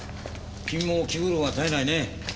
君も気苦労が絶えないね。